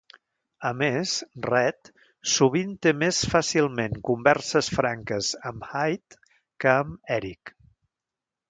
A més, Red sovint té més fàcilment converses franques amb Hyde que amb Eric.